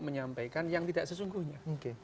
menyampaikan yang tidak sesungguhnya